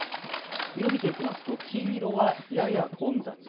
色、見ていきますと黄色はやや混雑。